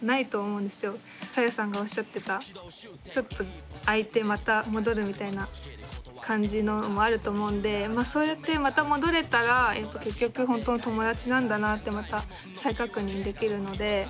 さゆさんがおっしゃってたちょっと空いてまた戻るみたいな感じのもあると思うんでそうやってまた戻れたらやっぱ結局本当の友達なんだなってまた再確認できるので。